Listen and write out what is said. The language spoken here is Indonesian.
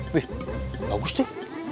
wih bagus tuh